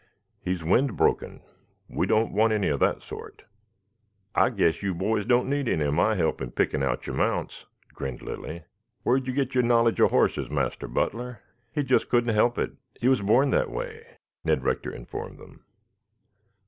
"He is wind broken. We don't want any of that sort." "I guess you boys don't need any of my help in picking out your mounts," grinned Lilly. "Where did you get your knowledge of horses, Master Butler?" "He just couldn't help it. He was born that way," Ned Rector informed them.